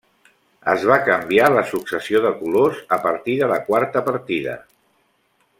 Es va canviar la successió de colors a partir de la quarta partida.